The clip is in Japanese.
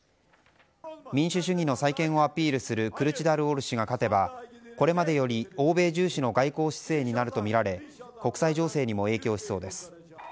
民主主義の再建をアピールするクルチダルオール氏が勝てばこれまでより欧米重視の外交姿勢になるとみられ国際情勢にも影響しそうです。